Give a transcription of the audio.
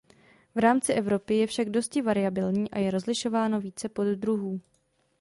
V rámci Evropy je však dosti variabilní a je rozlišováno více poddruhů.